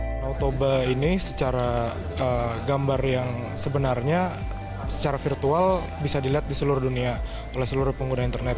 danau toba ini secara gambar yang sebenarnya secara virtual bisa dilihat di seluruh dunia oleh seluruh pengguna internet